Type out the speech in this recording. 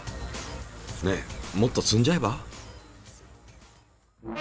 ねえもっと積んじゃえば？